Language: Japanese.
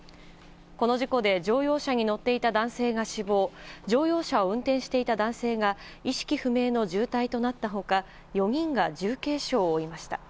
この事故で乗用車に乗っていた男性が死亡乗用車を運転していた男性が意識不明の重体となった他４人が重軽傷を負いました。